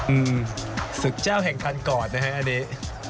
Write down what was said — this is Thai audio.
อืมสุขเจ้าแห่งทันก่อนนะครับอันนี้